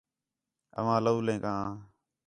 اواں لَولینک آں